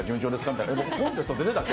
みたいなコンテスト出てたっけ？